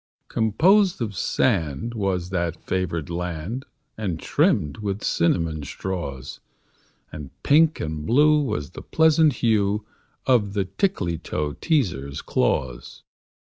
Composed of sand was that favored land, And trimmed with cinnamon straws; And pink and blue was the pleasing hue Of the Tickletoeteaser's claws.